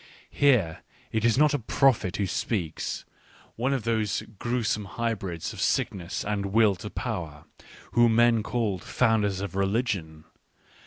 Here it is not a " prophet " who speaks, one of those gruesome hybrids of sickness and Will to Power, whom men call founders of religions.